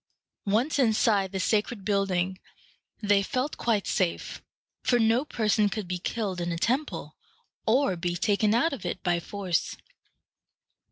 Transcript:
Once inside the sacred building, they felt quite safe; for no person could be killed in a temple, or be taken out of it by force.